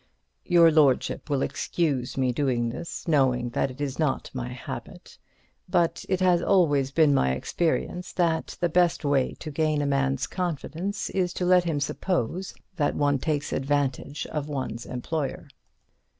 Your lordship will excuse me doing this, knowing that it is not my habit, but it has always been my experience that the best way to gain a man's confidence is to let him suppose that one takes advantage of one's employer.